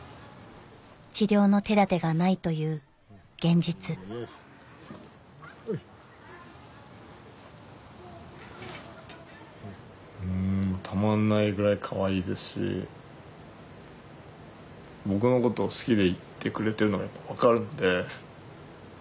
治療の手だてがないという現実たまんないぐらいかわいいですし僕のことを好きでいてくれてるのが分かるので。